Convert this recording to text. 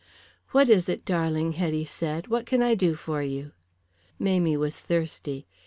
"What is it, darling?" Hetty said. "What can I do for you?" Mamie was thirsty.